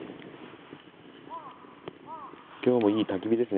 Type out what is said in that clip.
今日もいい焚き火ですね